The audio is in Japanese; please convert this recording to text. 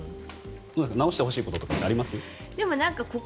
直してほしいこととかありますか？